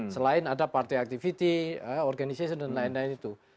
selain ada party activity organization dan lain lain itu